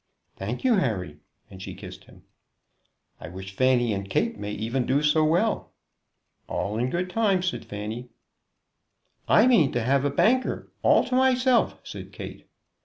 "Thank you, Harry," and she kissed him. "I wish Fanny and Kate may even do so well." "All in good time," said Fanny. "I mean to have a banker all to myself," said Kate.